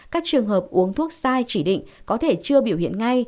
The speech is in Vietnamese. các trường hợp uống thuốc sai chỉ định có thể chưa biểu hiện ngay